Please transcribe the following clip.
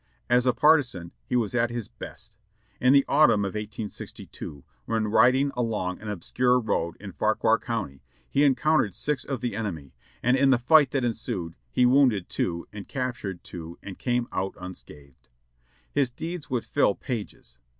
As a partisan he was at his best. In the autumn of 1862, when riding along an obscure road in Fauquier County, he encountered six of the enemy, and in the fight that ensued he wounded two and captured two and came out un scathed. His deeds would fill pages.